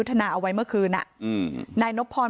ผมแค่นี้เหมือนเดิม